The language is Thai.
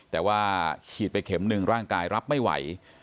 แต่ว่าฉีดไปเข็มหนึ่งร่างกายรับไม่ไหว